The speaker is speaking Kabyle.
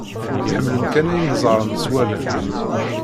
Ḥemmlen kan ayen ẓẓaren s wallen.